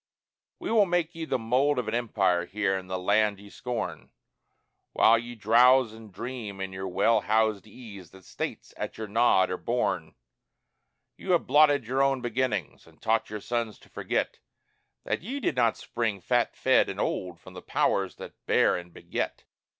We will make ye the mold of an empire here in the land ye scorn, While ye drowse and dream in your well housed ease that States at your nod are born. Ye have blotted your own beginnings, and taught your sons to forget That ye did not spring fat fed and old from the powers that bear and beget.